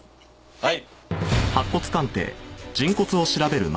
はい！